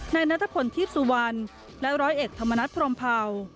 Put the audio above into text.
นายนัทพลทีพสุวรรณและร้อยเอกธรรมนัฐพรมเผา